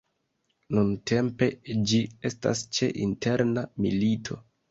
Nuntempe, ĝi estas ĉe interna milito.